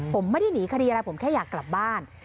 ผมไม่ได้หนีคดีอะไรผมแค่อยากกลับบ้าน